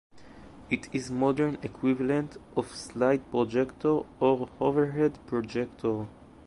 It is a modern equivalent of the slide projector or overhead projector.